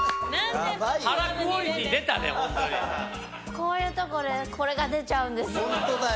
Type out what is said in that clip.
こういうとこでこれが出ちゃうんですよ。